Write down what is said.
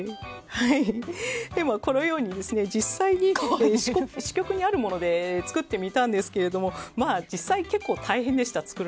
でも、このように実際に支局にあるもので作ってみたんですが実際に結構作るのが大変でした。